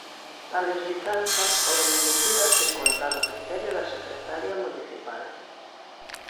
Tales licenzas foron emitidas en contra do criterio da secretaria municipal.